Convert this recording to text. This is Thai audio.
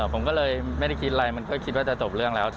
ผมก็เลยไม่ได้คิดอะไรมันก็คิดว่าจะจบเรื่องแล้ว